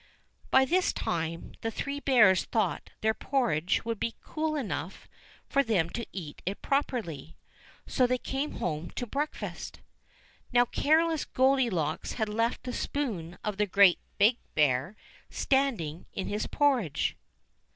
By this time the Three Bears thought their porridge would be cool enough for them to eat it properly ; so they came home to breakfast. Now careless Goldilocks had left the spoon of the Great Big Bear standing in his porridge.